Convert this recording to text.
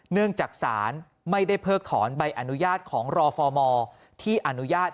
เนื่องจากศาลไม่ได้เพิกถอนใบอนุญาตของรฟมที่อนุญาต